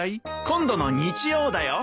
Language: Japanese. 今度の日曜だよ。